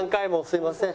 すいません。